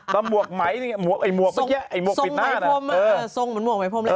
นำหมวกไหม๒๖๐นเหมือนหมวกไหมพม